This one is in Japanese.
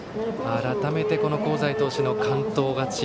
改めて香西投手の完投勝ち